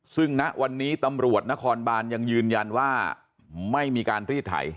ซึ่งณวันนี้ตำรวจนครบานยังยืนยันว่าไม่มีการรีดไถ